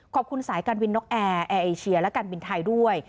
ขอบคุณสายการวินน็อคแอร์แอร์เอเชียและการบินไทยด้วย